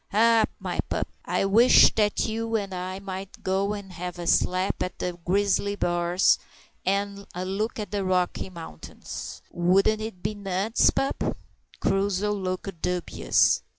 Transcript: "Ha! my pup, I wish that you and I might go and have a slap at the grizzly bars, and a look at the Rocky Mountains. Wouldn't it be nuts, pup?" Crusoe looked dubious.